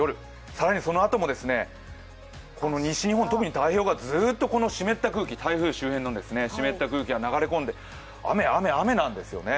更にそのあとも、西日本、特に太平洋側、ずーっとこの湿った空気、台風周辺の湿った空気が流れ込んで雨、雨、雨なんですね。